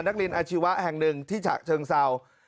นักเรียนอาชีวะแห่งหนึ่งที่เชิงซาว